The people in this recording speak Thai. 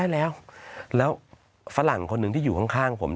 แล้วฝรั่งคนหนึ่งที่อยู่ข้างผม